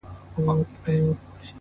دغه سپينه سپوږمۍ؛